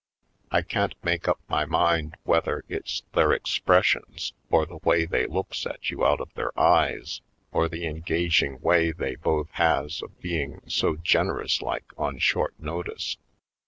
I can't make up my mind whether it's their expressions or the way they looks at you out of their eyes, or the engaging way they both has of being so generous like on short notice.